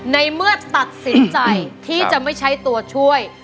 ในเมื่อตัดสินใจที่จะไม่ใช้ตัวช่วย